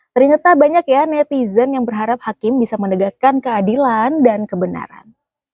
ternyata banyak ya netizen yang berharap hakim bisa menegakkan keadilan dan kebenaran